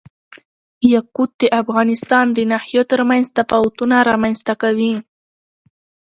یاقوت د افغانستان د ناحیو ترمنځ تفاوتونه رامنځ ته کوي.